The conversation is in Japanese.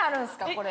これ。